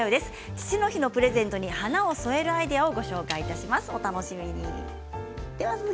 父の日のプレゼントに花を添えるアイデアをご紹介します。